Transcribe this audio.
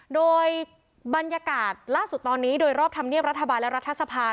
โดยบรรยากาศล่าสุดตอนนี้โดยรอบธรรมเนียบรัฐบาลและรัฐสภา